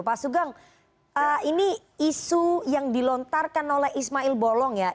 pak sugeng ini isu yang dilontarkan oleh ismail bolong ya